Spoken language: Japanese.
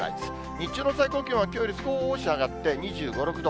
日中の最高気温はきょうよりすこーし上がって、２５、６度。